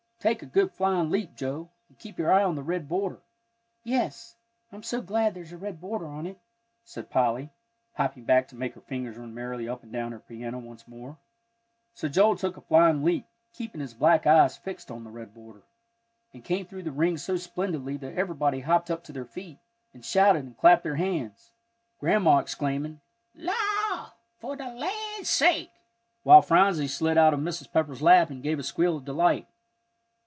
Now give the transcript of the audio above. Take a good flying leap, Joe, and keep your eye on the red border." "Yes; I'm so glad there's a red border on it," said Polly, hopping back to make her fingers run merrily up and down her piano once more. So Joel took a flying leap, keeping his black eyes fixed on the red border, and came through the ring so splendidly that everybody hopped up to their feet, and shouted and clapped their hands, Grandma exclaiming, "La for the land's sake!" while Phronsie slid out of Mrs. Pepper's lap and gave a squeal of delight.